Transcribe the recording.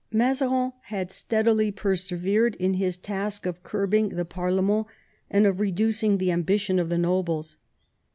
Mazarin had steadily persevered in his task of curbing the pa/rkment and of reducing the ambition of the nobles.